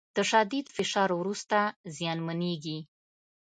له شدید فشار وروسته زیانمنېږي